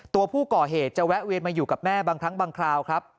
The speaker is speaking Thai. ตัวผู้ก่อเหตุจะแวะเวียนมาอยู่กับแม่บางครั้งบางคราวครับ